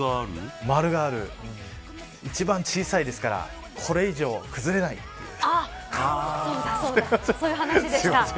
一番小さいですからこれ以上、崩れないという。